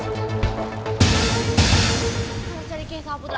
harus nyari kek putra